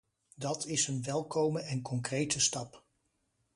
Dat is een welkome en concrete stap.